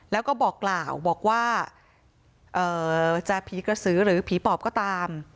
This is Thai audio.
แล้วก็บอกกล่าวบอกว่าจะผีกระสือหรือผีปอบก็ตาม